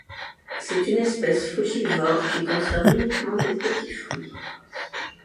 C'est une espèce frugivore qui consomme uniquement des petits fruits.